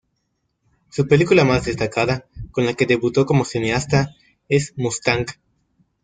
Su película más destacada, con la que debutó como cineasta, es "Mustang".